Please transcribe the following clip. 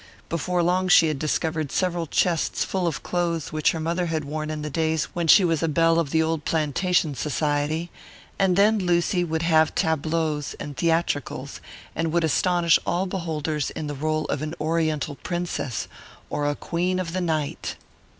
Before long she had discovered several chests full of the clothes which her mother had worn in the days when she was a belle of the old plantation society; and then Lucy would have tableaus and theatricals, and would astonish all beholders in the role of an Oriental princess or a Queen of the Night.